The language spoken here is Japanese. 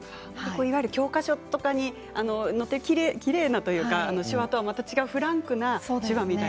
いわゆる教科書とかに載っているきれいなというかそういう手話とは違うフランクな。